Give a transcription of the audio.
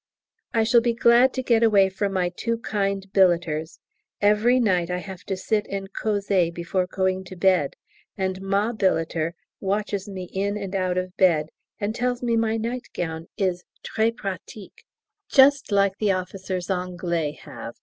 I shall be glad to get away from my too kind billeters; every night I have to sit and causer before going to bed, and Ma billeter watches me in and out of bed, and tells me my nightgown is très pratique, and just like the officers Anglais have.